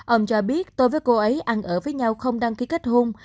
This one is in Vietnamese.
ông cho biết tôi với cô ấy ăn ở với nhau không đăng ký kết hôn